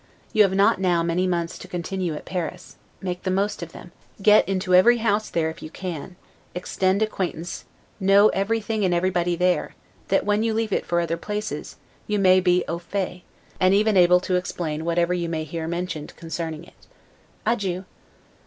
You have not now many months to continue at Paris; make the most of them; get into every house there, if you can; extend acquaintance, know everything and everybody there; that when you leave it for other places, you may be 'au fait', and even able to explain whatever you may hear mentioned concerning it. Adieu.